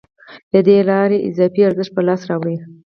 له دې لارې اضافي ارزښت په لاس راوړي